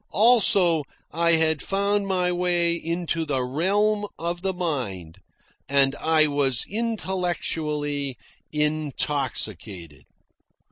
Also, I had found my way into the realm of the mind, and I was intellectually intoxicated.